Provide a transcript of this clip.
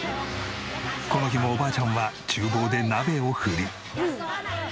この日もおばあちゃんは厨房で鍋を振り。